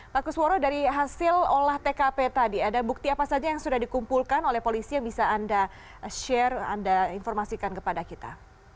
pak kusworo dari hasil olah tkp tadi ada bukti apa saja yang sudah dikumpulkan oleh polisi yang bisa anda share anda informasikan kepada kita